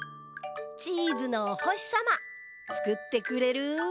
チーズのおほしさまつくってくれる？